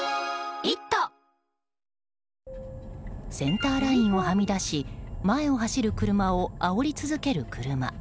センターラインをはみ出し前を走る車を、あおり続ける車。